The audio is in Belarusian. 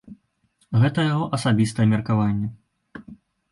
Гэта яго асабістае меркаванне.